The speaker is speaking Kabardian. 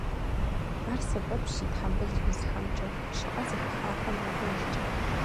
Ар сэбэпщ зи тхьэмбыл узхэмкӏэ, щӏыӏэ зыхыхьахэм я дежкӏэ.